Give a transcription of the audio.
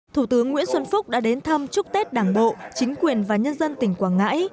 thủ tướng nguyễn xuân phúc đã đến thăm chúc tết đảng bộ chính quyền và nhân dân tỉnh quảng ngãi